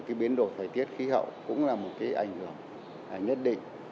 cái biến đổi thời tiết khí hậu cũng là một cái ảnh hưởng